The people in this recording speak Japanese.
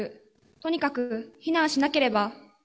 とにかく避難しなければ。